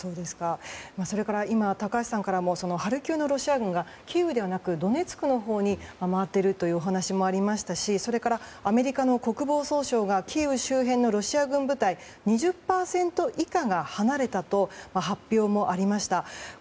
それから今高橋さんからもハルキウのロシア軍がキーウではなくドネツクのほうに回っているというお話もありましたしそれから、アメリカの国防総省がキーウ周辺のロシア軍部隊２０％以下が離れたと発表もありました。